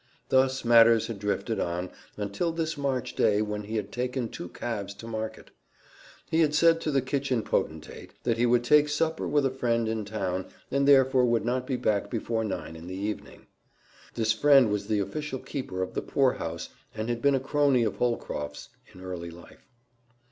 Thus matters had drifted on until this March day when he had taken two calves to market. He had said to the kitchen potentate that he would take supper with a friend in town and therefore would not be back before nine in the evening. This friend was the official keeper of the poorhouse and had been a crony of Holcroft's in early life.